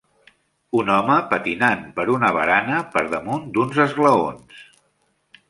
Un home patinant per una barana per damunt d'uns escalons.